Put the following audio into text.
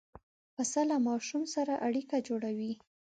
پسه له ماشوم سره اړیکه جوړوي.